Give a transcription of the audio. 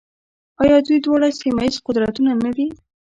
آیا دوی دواړه سیمه ییز قدرتونه نه دي؟